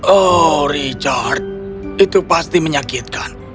oh richard itu pasti menyakitkan